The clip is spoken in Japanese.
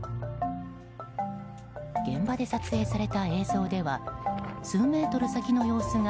現場で撮影された映像では数メートル先の様子が